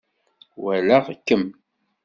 Walaɣ-kem.